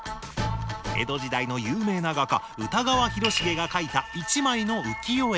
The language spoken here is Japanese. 江戸時代の有名な画家歌川広重が描いた１枚の浮世絵。